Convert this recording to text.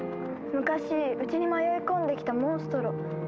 昔うちに迷い込んできたモンストロ。